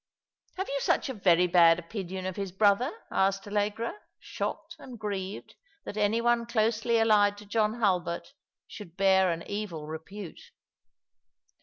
" Have you such a very bad opinion of his brother ?" asked Allegra, shocked and grieved that any one closely allied to John Hulbert should bear an evil repute.